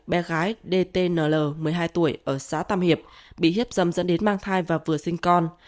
bé gái dtnl một mươi hai tuổi ở xã tam hiệp bị hiếp dâm dẫn đến mang thai và vừa sinh con